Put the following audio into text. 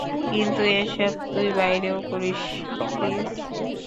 কিন্তু এসব তুই বাইরেও করিস, প্লিজ।